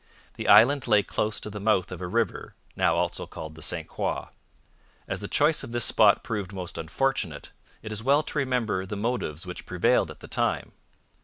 The island lay close to the mouth of a river, now also called the St Croix. As the choice of this spot proved most unfortunate, it is well to remember the motives which prevailed at the time.